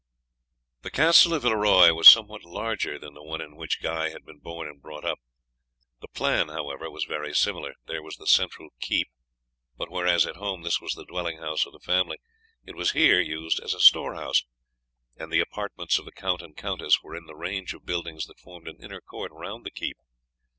The Castle of Villeroy was somewhat larger than the one in which Guy had been born and brought up. The plan, however, was very similar: there was the central keep, but, whereas at home this was the dwelling house of the family, it was here used as a storehouse, and the apartments of the count and countess were in the range of buildings that formed an inner court round the keep.